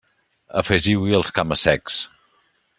Afegiu-hi els cama-secs.